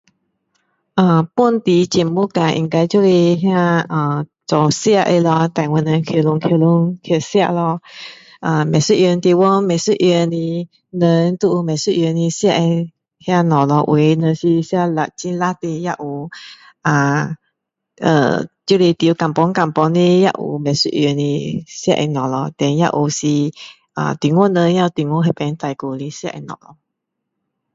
啊本地节目啊应该就是那呃做吃的咯带我们去咯去咯去吃咯呃不一样地方不一样的人都有不一样的吃的那东西咯有些人是吃很辣的也有啊呃就是住乡村乡村的也有不一样的吃的东西咯 then 也有是啊中国人也有中国那边带过来吃的东西